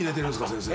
先生。